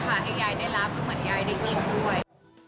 ให้ยายได้รับก็เหมือนยายได้กินด้วย